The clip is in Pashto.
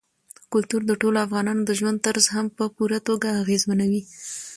کلتور د ټولو افغانانو د ژوند طرز هم په پوره توګه اغېزمنوي.